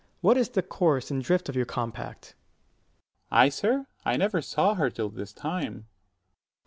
What is the course and drift of your compact? 160 Dro. S. I, sir? I never saw her till this time.